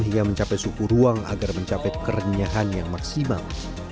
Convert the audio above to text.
hingga mencapai suku ruang agar mencapai kerenyahan yang maksimal